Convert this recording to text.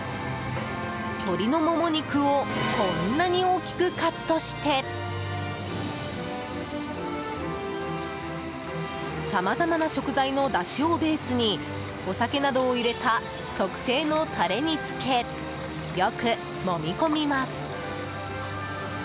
鶏のモモ肉をこんなに大きくカットしてさまざまな食材のだしをベースにお酒などを入れた特製のタレに漬けよくもみ込みます。